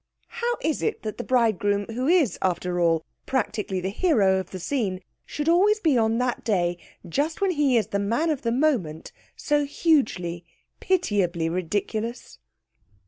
How is it that the bridegroom, who is, after all, practically the hero of the scene, should always be on that day, just when he is the man of the moment, so hugely, pitiably ridiculous?